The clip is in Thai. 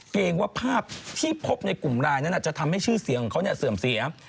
เกรงว่าภาพที่พบในกลุ่มไลน์นั้นจะทำให้ชื่อเสียงของเขาเสื่อมเสีย